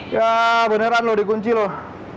ya beneran loh dikunci loh